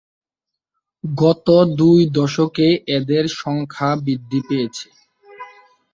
গত দুই দশকে এদের সংখ্যা বৃদ্ধি পেয়েছে।